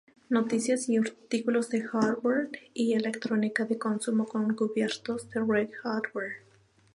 Noticias y artículos de hardware y electrónica de consumo son cubiertos por "Reg Hardware".